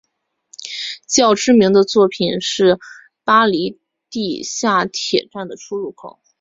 较知名的作品是巴黎地下铁车站的出入口。